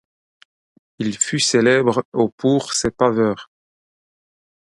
Il fut célèbre au pour ses paveurs.